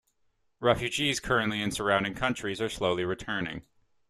Refugees currently in surrounding countries are slowly returning.